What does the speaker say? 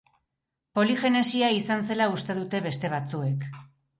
Poligenesia izan zela uste dute beste batzuek.